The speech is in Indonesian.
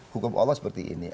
hukum allah seperti ini